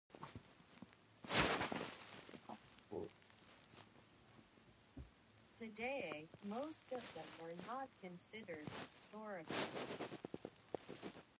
Today, most of them are not considered historical.